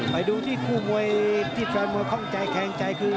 ไปดูที่คู่มวยที่แฟนมวยข้องใจแคงใจคือ